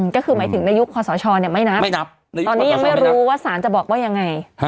ก็คือหมายถึงในยุคคอสชตอนนี้ยังไม่รู้ว่าสารจะบอกว่ายังไง